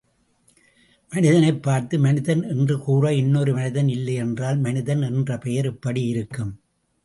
மனிதனைப் பார்த்து மனிதன் என்று கூற இன்னொரு மனிதன் இல்லையென்றால் மனிதன் என்ற பெயர் எப்படியிருக்கும்?